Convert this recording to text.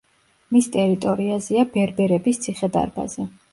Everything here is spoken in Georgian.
მის ტერიტორიაზეა ბერბერების ციხე-დარბაზი.